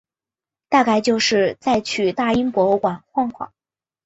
大概就是再去大英博物馆晃晃